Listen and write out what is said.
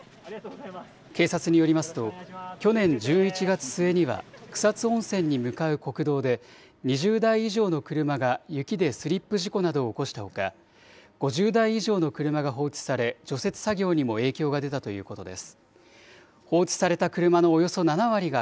警察によりますと、去年１１月末には、草津温泉に向かう国道で、２０台以上の車が雪でスリップ事故などを起こしたほか、５０台以上の車が放置され、除雪作業にも影響が出たということです。